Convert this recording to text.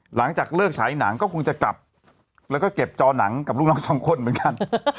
หลังจากเลิกฉายหนังก็คงจะกลับแล้วก็เก็บจอหนังกับลูกน้องสองคนเหมือนกัน